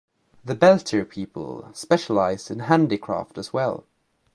The Beltir people specialized in handicraft as well.